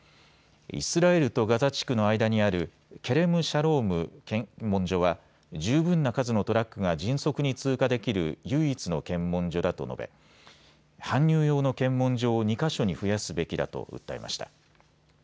イスラエルとガザ地区の間にあるケレム・シャローム検問所は十分な数のトラックが迅速に通過できる唯一の検問所だと述べ搬入用の検問所を２か所に増やすべきだと訴えました。